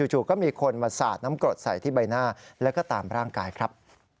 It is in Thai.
จู่ก็มีคนมาสาดน้ำกรดใส่ที่ใบหน้าแล้วก็ตามร่างกายครับ